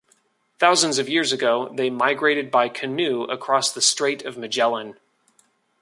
Thousands of years ago, they migrated by canoe across the Strait of Magellan.